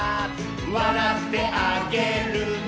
「わらってあげるね」